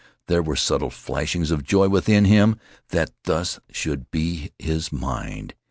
There were subtle flashings of joy within him that thus should be his mind.